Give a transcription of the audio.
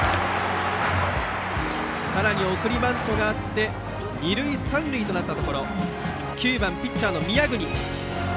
さらに送りバントがあって二塁三塁となったところ９番ピッチャーの宮國。